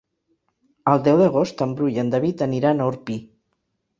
El deu d'agost en Bru i en David aniran a Orpí.